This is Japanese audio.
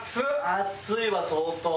熱いわ相当。